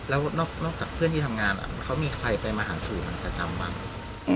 แล้วนอกจากเพื่อนที่ทำงานเขามีใครไปมาหาสู่มันประจำบ้าง